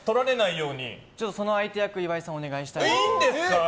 その相手役を岩井さんにお願いしたいなと。